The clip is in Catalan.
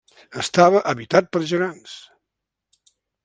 Estava habitat per gegants.